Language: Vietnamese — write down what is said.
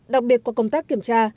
đặc biệt qua công tác kiểm tra